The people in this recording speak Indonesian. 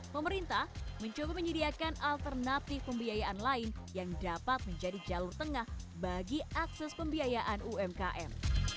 pemerintah mencoba menyediakan alternatif pembiayaan lain yang dapat menjadi jalur tengah bagi akses pembiayaan umkm